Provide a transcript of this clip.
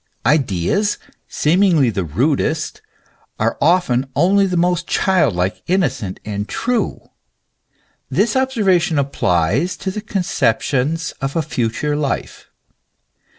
Ideas seemingly the rudest are often only the most child like, innocent and true. This observation applies to the conceptions of a future life.